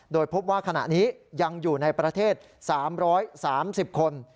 โดยพบว่าขณะนี้ยังอยู่ในประเทศ๓๓๐คน